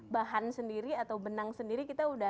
bahan sendiri atau benang sendiri kita sudah